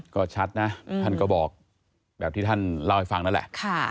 ก็ชัดนะท่านก็บอกแบบที่ท่านเล่าให้ฟังนั่นแหละ